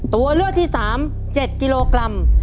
ตัวเลือกที่๓๗กิโลกรัม